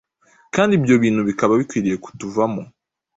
Kandi ibyo bintu bikaba bikwiriye kutuvamo.